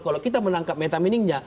kalau kita menangkap metaminingnya